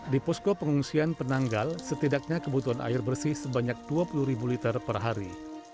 di posko pengungsian penanggal setidaknya kebutuhan air bersih sebanyak dua puluh ribu liter per hari